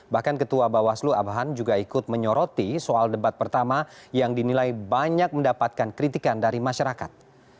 bahkan ketua bawaslu abahan juga ikut menyoroti soal debat pertama yang dinilai banyak mendapatkan kritikan dari masyarakat